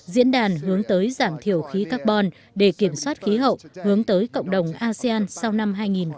diễn đàn hướng tới giảm thiểu khí carbon để kiểm soát khí hậu hướng tới cộng đồng asean sau năm hai nghìn hai mươi năm